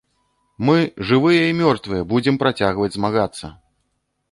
Мы, жывыя і мёртвыя, будзем працягваць змагацца!